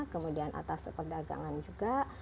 kemudian atas perdagangan juga